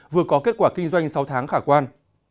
vừa có kết quả kinh doanh sáu tháng khả quan